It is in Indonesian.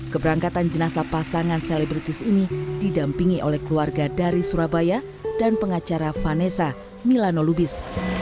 keberangkatan jenazah pasangan selebritis ini didampingi oleh keluarga dari surabaya dan pengacara vanessa milano lubis